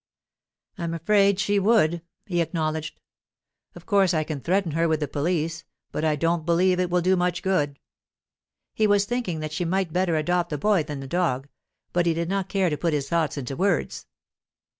'I'm afraid she would,' he acknowledged. 'Of course I can threaten her with the police, but I don't believe it will do much good.' He was thinking that she might better adopt the boy than the dog, but he did not care to put his thoughts into words.